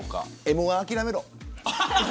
Ｍ−１諦めろ。